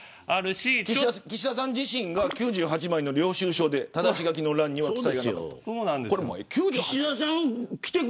岸田さん自身が９８枚の領収書でただし書きの欄には記載がなかった。